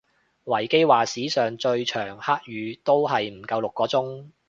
維基話史上最長黑雨都係唔夠六個鐘